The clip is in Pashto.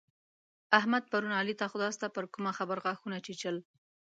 احمد پرون علي ته خداسته پر کومه خبره غاښونه چيچل.